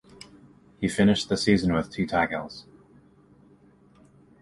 He finished the season with two tackles.